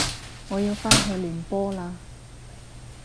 我要返去練波喇